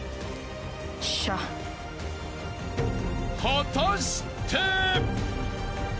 ［果たして？］